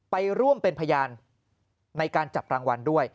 ไปร่วมเป็นพยานในการจับรางวัลด้วย